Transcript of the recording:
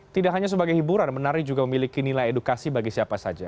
tidak hanya sebagai hiburan menari juga memiliki nilai edukasi bagi siapa saja